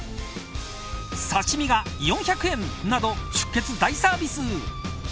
刺し身が４００円など出血大サービス。